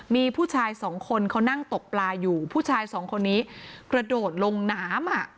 มีผู้ชายสองคนเขานั่งตกปลาอยู่ผู้ชายสองคนนี้กระโดดลงน้ำอ่ะ